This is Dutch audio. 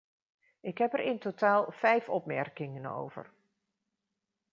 Ik heb er in totaal vijfopmerkingen over.